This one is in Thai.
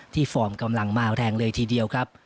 ฟอร์มกำลังมาแรงเลยทีเดียวครับ